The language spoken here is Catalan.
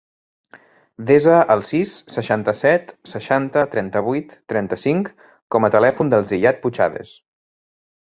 Desa el sis, seixanta-set, seixanta, trenta-vuit, trenta-cinc com a telèfon del Ziyad Puchades.